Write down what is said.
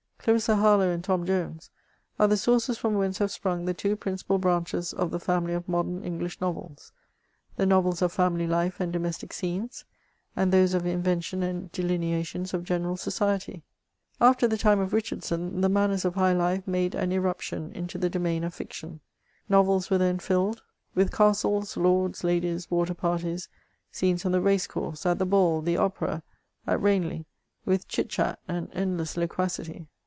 Clarissa Harlow and Tom Jones are the sources from whence have sprung the two principal branches of the £Eimily of modem English novels, the novels of family life and domestic scenes, and those of invention and delineations of general society. After the lime of Richardson, the manners of high life made an irruption into the domain of fiction; novels were then filled with 426 MEMOIRS OF castles, lords, ladies, water parties, — ^scenes on the race course, —at the ball, the opera, at Ranelagh — with chit chat and end less loquacity.